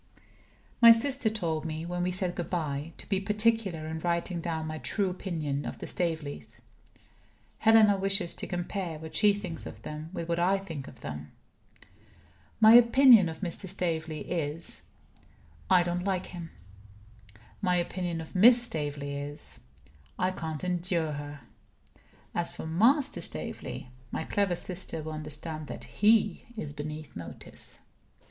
My sister told me (when we said good by) to be particular in writing down my true opinion of the Staveleys. Helena wishes to compare what she thinks of them with what I think of them. My opinion of Mr. Staveley is I don't like him. My opinion of Miss Staveley is I can't endure her. As for Master Staveley, my clever sister will understand that he is beneath notice.